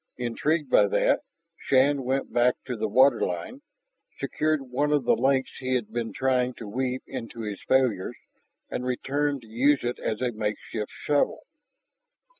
Intrigued by that, Shann went back to the waterline, secured one of the lengths he had been trying to weave into his failures, and returned to use it as a makeshift shovel.